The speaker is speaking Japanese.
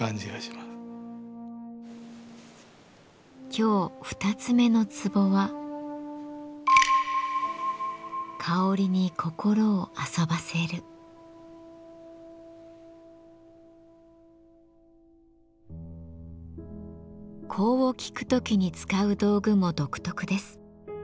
今日２つ目の壺は香を聞く時に使う道具も独特です。